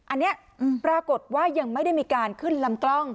อันนี้ปรากฏว่ายังไม่ได้มีการขึ้นลำกล้อง